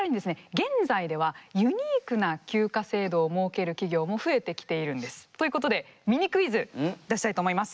現在ではユニークな休暇制度を設ける企業も増えてきているんです。ということでミニクイズ出したいと思います。